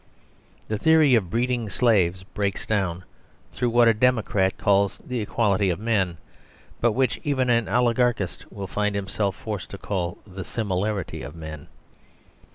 The theory of breeding slaves breaks down through what a democrat calls the equality of men, but which even an oligarchist will find himself forced to call the similarity of men.